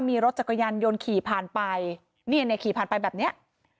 มีรถจักรยานยนต์ขี่ผ่านไปเนี่ยขี่ผ่านไปแบบเนี้ย